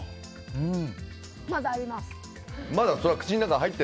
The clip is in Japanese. まだあります。